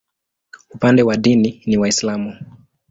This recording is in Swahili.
Upande wa dini ni Waislamu.